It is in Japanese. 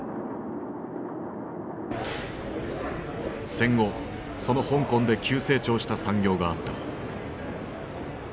戦後その香港で急成長した産業があった。